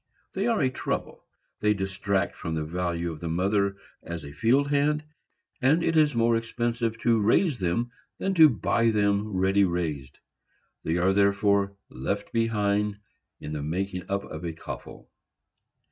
They are a trouble; they detract from the value of the mother as a field hand, and it is more expensive to raise them than to buy them ready raised; they are therefore left behind in the making up of a coffle.